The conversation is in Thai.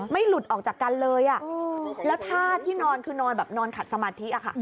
หลุดออกจากกันเลยแล้วท่าที่นอนคือนอนแบบนอนขัดสมาธิอะค่ะ